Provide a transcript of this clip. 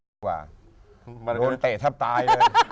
ไม่รังแก่หว่าโดนเตะแทบตาย